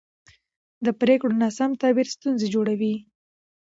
د پرېکړو ناسم تعبیر ستونزې جوړوي